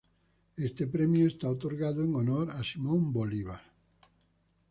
Este premio es otorgado en honor a Simón Bolívar.